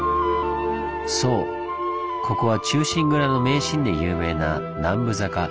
そうここは「忠臣蔵」の名シーンで有名な「南部坂」。